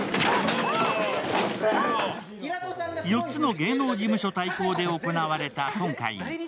４つの芸能事務所対抗で行われた今回。